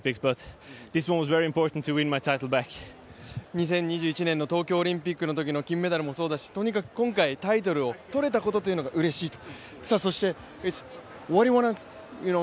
２０２１年の東京オリンピックのときの金メダルもそうだしとにかく今回、タイトルを取れたことがうれしいと。